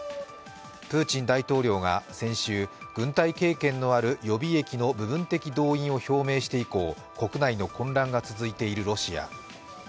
プーチン大統領が先週軍隊経験のある予備役の部分的動員を表明して以降、国内の混乱が続いているロシア。